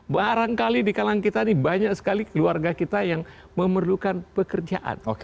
barangkali di kalangan kita ini banyak sekali keluarga kita yang memerlukan pekerjaan